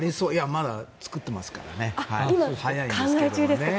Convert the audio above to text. まだ作ってますから早いんですけどね。